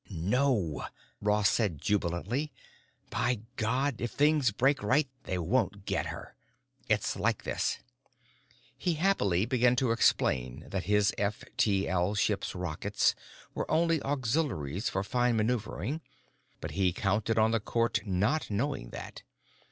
"No," Ross said jubilantly. "By God, if things break right they won't get her. It's like this——" He happily began to explain that his F T L ship's rockets were only auxiliaries for fine maneuvering, but he counted on the court not knowing that.